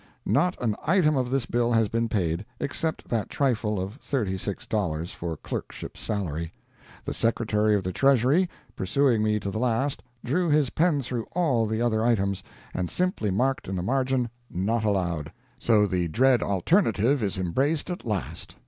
] Not an item of this bill has been paid, except that trifle of thirty six dollars for clerkship salary. The Secretary of the Treasury, pursuing me to the last, drew his pen through all the other items, and simply marked in the margin "Not allowed." So, the dread alternative is embraced at last.